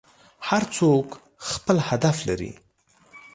هر څوک خپل هدف لري.